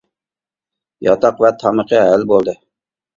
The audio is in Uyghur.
ياتاق ۋە تامىقى ھەل بولدى.